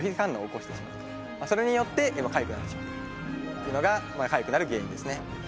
それによってかゆくなってしまうというのがかゆくなる原因ですね。